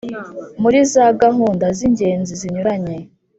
muri za gahunda z'ingenzi zinyuranye,